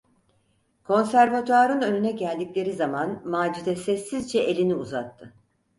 Konservatuvarın önüne geldikleri zaman Macide sessizce elini uzattı.